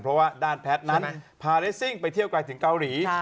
เพราะว่าด้านแพทย์นั้นพาเรสซิ่งไปเที่ยวไกลถึงเกาหลี